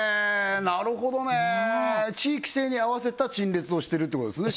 なるほどね地域性に合わせた陳列をしてるってことですね